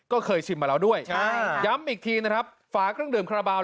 ก็เคยชิมมาแล้วด้วยใช่ย้ำอีกทีนะครับฝาเครื่องดื่มคาราบาล